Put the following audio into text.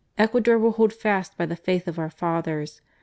Ecuador will hold fast by the faith of our fathers.